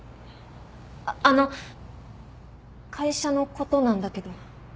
あの会社のことなんだけど。